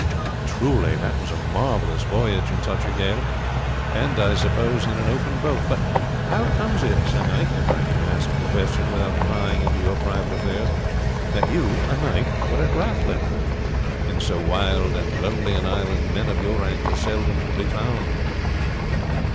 Truly that was a marvellous voyage in such a gale and as I suppose, in an open boat. But how comes it, sir knight if I may ask the question without prying into your private affairs that you, a knight, were at Rathlin? In so wild and lonely an island men of your rank are seldom to be found."